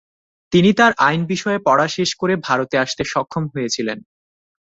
তিনি তার আইন বিষয়ে পড়া শেষ করে ভারতে আসতে সক্ষম হয়েছিলেন।